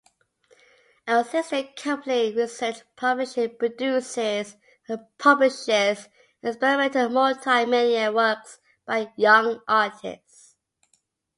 A sister company, Research Publishing, produces and publishes experimental multi-media works by young artists.